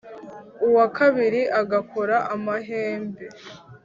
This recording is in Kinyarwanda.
uwa kabiri agakora amahembe